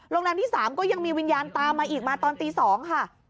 โรงแรมที่๓ก็ยังมีวิญญาณตามมาอีกมาตอนตี๒ค่ะ